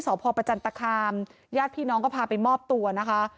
พ่อประจันตคามญาติพี่น้องก็พาไปมอบตัวนะคะ